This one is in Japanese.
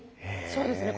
そうですね